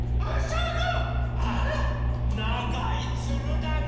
あらながいつるだね。